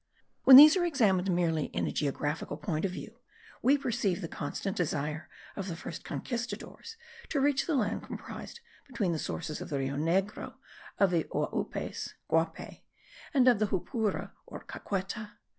When these are examined merely in a geographical point of view, we perceive the constant desire of the first conquistadores to reach the land comprised between the sources of the Rio Negro, of the Uaupes (Guape), and of the Jupura or Caqueta.